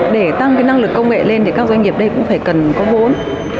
để tăng cái năng lực công nghệ lên thì các doanh nghiệp đây cũng phải cần có vốn